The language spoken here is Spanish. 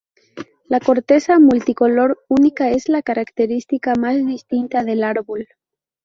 La corteza multicolor única es la característica más distintiva del árbol.